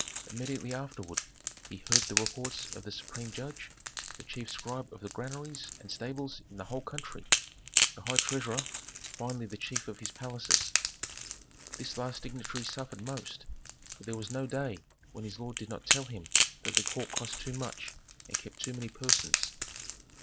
Immediately afterward he heard the reports of the supreme judge, the chief scribe of the granaries and stables in the whole country, the high treasurer, finally the chief of his palaces. This last dignitary suffered most, for there was no day when his lord did not tell him that the court cost too much, and kept too many persons.